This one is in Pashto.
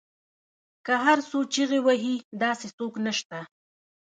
که هر څو چیغې وهي داسې څوک نشته